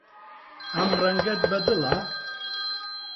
ئەم ڕەنگەت بەدڵە؟